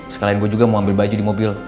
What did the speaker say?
sekalian gue juga mau ambil baju di mobil